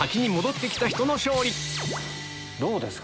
どうですか？